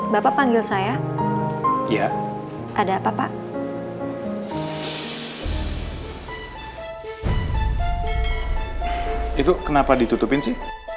buat saya ketawakan satu satunya